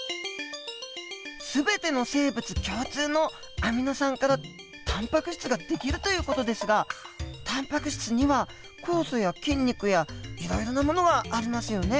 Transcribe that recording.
全ての生物共通のアミノ酸からタンパク質ができるという事ですがタンパク質には酵素や筋肉やいろいろなものがありますよね？